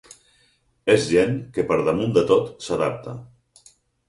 És gent que per damunt de tot s’adapta.